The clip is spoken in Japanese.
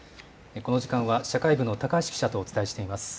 この時間は社会部の高橋記者とお伝えしています。